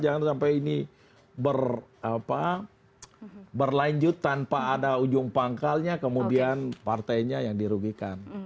jangan sampai ini berlanjut tanpa ada ujung pangkalnya kemudian partainya yang dirugikan